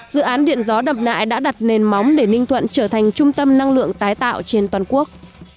dự án điện gió đập nại đã đặt nền móng để ninh thuận trở thành trung tâm năng lượng tái tạo trên toàn quốc